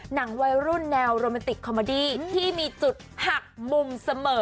หนังวัยรุ่นแนวโรแมนติกคอมเมอดี้ที่มีจุดหักมุมเสมอ